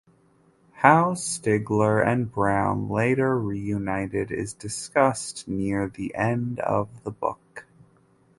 How Stigler and Brown later reunited is discussed near the end of the book.